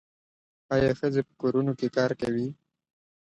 آیا ښځې په کورونو کې کار کوي؟